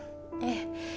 ええ。